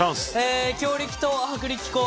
え強力と薄力粉。